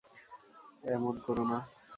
এমন করো না!